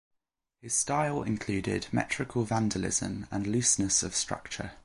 His style included 'metrical vandalism' and looseness of structure.